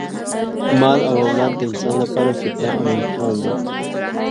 مال او اولاد د انسان لپاره فتنه او امتحان دی.